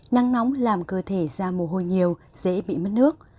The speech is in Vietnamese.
nắng nóng làm cơ thể ra mồ hôi nhiều dễ bị mất nước